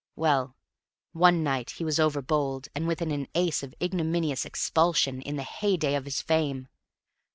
Well, one night he was over bold, and within an ace of ignominious expulsion in the hey day of his fame.